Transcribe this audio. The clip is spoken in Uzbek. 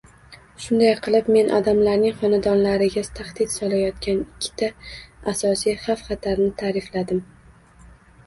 Shunday qilib men odamlarning xonadonlariga tahdid solayotgan ikkita asosiy xavf-xatarni ta’rifladim